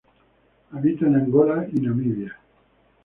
Habita en Angola y Namibia.